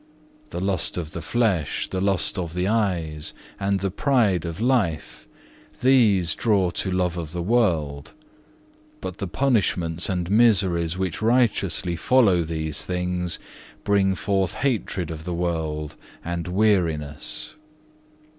The lust of the flesh, the lust of the eyes, and the pride of life, these draw to love of the world; but the punishments and miseries which righteously follow these things, bring forth hatred of the world and weariness.